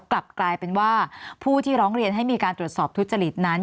กลับกลายเป็นว่าผู้ที่ร้องเรียนให้มีการตรวจสอบทุจริตนั้น